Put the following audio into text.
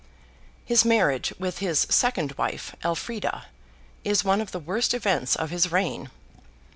His marriage with his second wife, Elfrida, is one of the worst events of his reign.